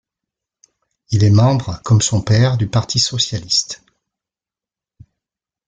Il est membre comme son père du Parti socialiste.